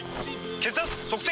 血圧測定！